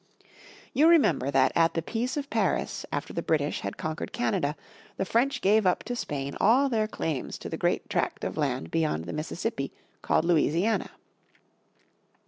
You remember that at the Peace of Paris after the British had conquered Canada, the French gave up to Spain all their claims to the great tract of land beyond the Mississippi called Louisiana.